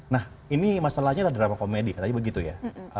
nah ini masalahnya adalah drama komedi tapi begitu ya